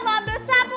mau ambil sapu